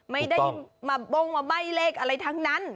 ไม่ได้มาบ้งมาใบ้เลขอะไรทั้งนั้น